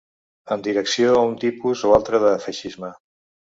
En direcció a un tipus o altre de feixisme